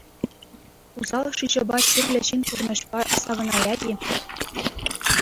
Усал шыҫӑпа чирлӗ ҫын пурнӑҫпа савӑнаять-и?